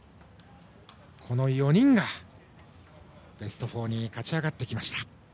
この４人がベスト４に勝ち上がってきました。